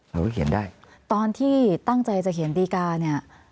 หนูก็เขียนได้ตอนที่ตั้งใจจะเขียนดีการ์เนี่ย